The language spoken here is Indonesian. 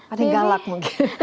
ada yang galak mungkin